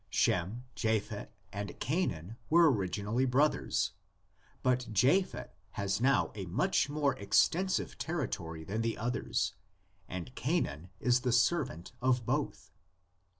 Shem, Japhet, and Canaan are originally brothers; but Japhet has now a much more extensive territory than the others, and Canaan is the servant of both.